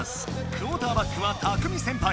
クオーターバックはタクミ先輩。